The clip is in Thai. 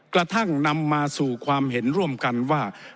กระทั่งนำมาสู่ความเห็นร่วมกันว่า